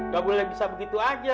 gak boleh bisa begitu aja